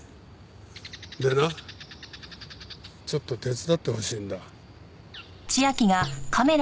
でなちょっと手伝ってほしいんだ。